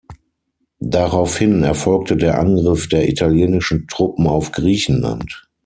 Daraufhin erfolgte der Angriff der italienischen Truppen auf Griechenland.